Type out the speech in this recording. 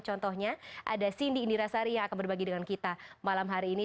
contohnya ada cindy indirasari yang akan berbagi dengan kita malam hari ini